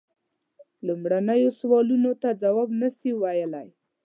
لومړنیو سوالونو ته جواب نه سي ویلای.